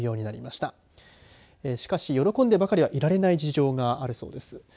しかし、喜んでばかりいられない事情があるそうです。